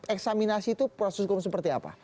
eksaminasi itu proses hukum seperti apa